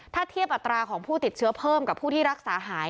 ถ้าเทียบอัตราของผู้ติดเชื้อเพิ่มกับผู้ที่รักษาหาย